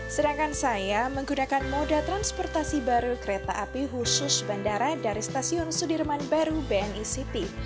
sedangkan saya menggunakan moda transportasi baru kereta api khusus bandara dari stasiun sudirman baru bni city